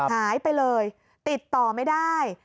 หายไปเลยติดต่อไม่ได้